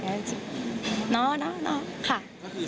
เขาคือเรียบร้อยไปเลยหรือเปล่า